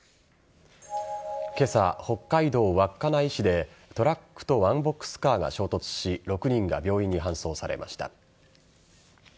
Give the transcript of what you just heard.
今朝、北海道稚内市でトラックとワンボックスカーが衝突し６人が病院に搬送されました。